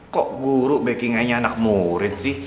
kok guru backing annya anak murid sih